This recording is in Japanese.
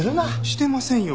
してませんよ。